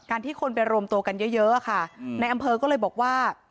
การที่คนไปรวมโตกันเยอะเยอะค่ะอืมในอำเภอก็เลยบอกว่า